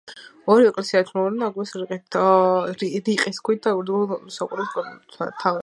ორივე ეკლესია ერთნავიანია, ნაგებია რიყის ქვით და გვიანდელი საუკუნეებით თარიღდება.